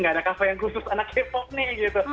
nggak ada kafe yang khusus anak hip hop nih gitu